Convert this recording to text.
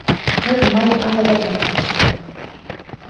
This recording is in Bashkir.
Ҡыҙ май ағыҙырға керешә.